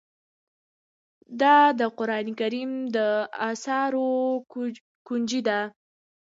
دا د قرآن کريم د اسرارو كونجي ده